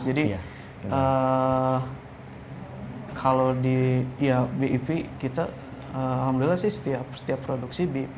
jadi kalau di bip kita alhamdulillah setiap produksi bip